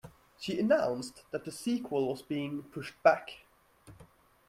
She announced that the sequel was being pushed back.